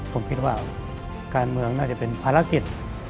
ผมคิดว่าการเมืองน่าจะเป็นภารกิจ